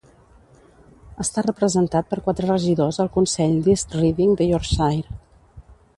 Està representat per quatre regidors al Consell d'East Riding de Yorkshire.